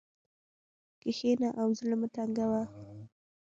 کښېنه او زړه مه تنګوه.